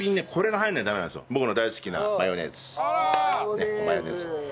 ねっマヨネーズ。